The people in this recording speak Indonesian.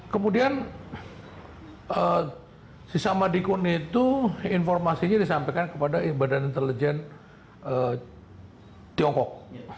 kemudian si sama dikun itu informasinya disampaikan kepada badan intelijen tiongkok